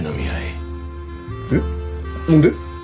何で？